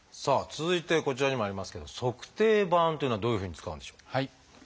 さあ続いてこちらにもありますけど「足底板」というのはどういうふうに使うんでしょう？